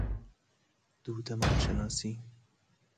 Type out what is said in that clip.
دودمان شناسی